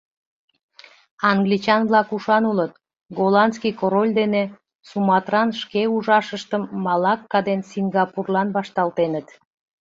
Англичан-влак ушан улыт: голландский король дене Суматран шке ужашыштым Малакка ден Сингапурлан вашталтеныт.